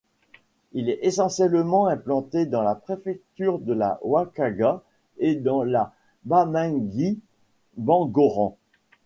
Il est essentiellement implanté dans la préfecture de la Vakaga et dans la Bamingui-Bangoran.